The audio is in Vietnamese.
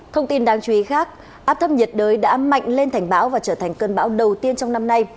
thông tin đáng chú ý khác áp thấp nhiệt đới đã mạnh lên thành bão và trở thành cơn bão đầu tiên trong năm nay